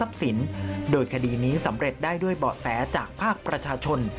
ยึดทรัพย์สินโดยคดีนี้สำเร็จได้ด้วยเบาะแสจากภาคประชาชน